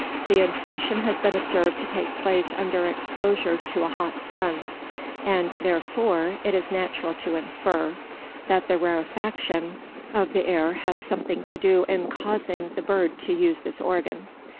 The inflation has been observed to take place under exposure to a hot sun; and, therefore, it is natural to infer, that the rarefaction of the air has something to do in causing [the bird to use this organ].